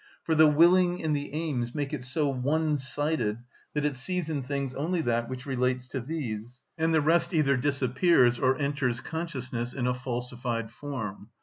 For the willing and the aims make it so one‐sided that it sees in things only that which relates to these, and the rest either disappears or enters consciousness in a falsified form.